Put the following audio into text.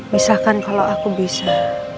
misalkan kalau aku bisa